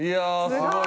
すごい！